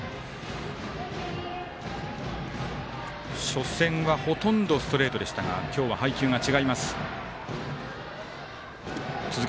初戦はほとんどストレートでしたが今日は配球が違います。